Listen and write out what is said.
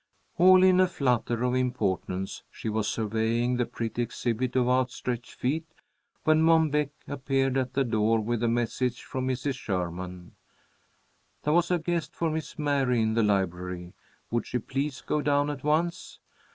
All in a flutter of importance, she was surveying the pretty exhibit of outstretched feet, when Mom Beck appeared at the door with a message from Mrs. Sherman. There was a guest for Miss Mary in the library. Would she please go down at once.